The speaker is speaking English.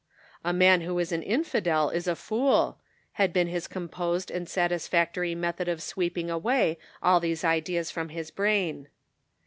"A man who is an infidel is a fool," had been his composed and satisfactory method of sweeping away all these ideas from his brain.